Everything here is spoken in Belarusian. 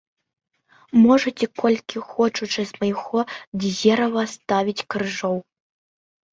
Можаце колькі хочучы з майго дзерава ставіць крыжоў.